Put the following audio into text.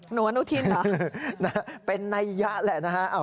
หนัวหนูทิ้นอ่ะเป็นไนยะแหละนะฮะ